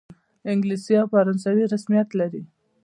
انګلیسي او فرانسوي رسمیت لري.